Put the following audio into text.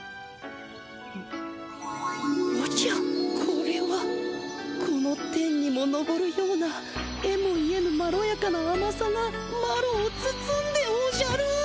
おじゃこれはこの天にものぼるようなえも言えぬまろやかなあまさがマロをつつんでおじゃる。